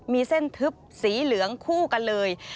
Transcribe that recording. มีเส้นทึบสีเหลืองคู่กันเลย